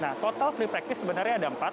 nah total free practice sebenarnya ada empat